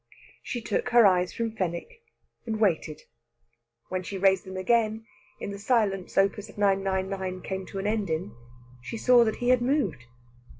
She took her eyes from Fenwick, and waited. When she raised them again, in the silence Op. 999 came to an end in, she saw that he had moved.